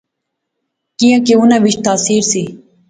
کیاں کہ انیں وچ تاثیر سی